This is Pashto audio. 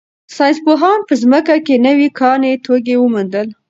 ساینس پوهانو په ځمکه کې نوي کاني توکي وموندل.